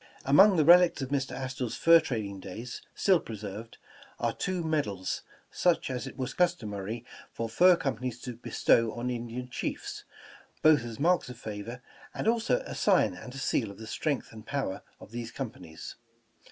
'' Among the relics of Mr. Astor's fur trading days, still preserved, are two medals, such as it was customary for fur companies to bestow on Indian Chiefs, both as marks of favor, and also a sign and a seal of the strength and power of these companies.